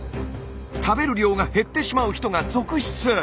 食べる量が減ってしまう人が続出！